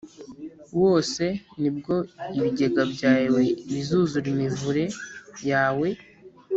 Wose ni bwo ibigega byawe bizuzura imivure yawe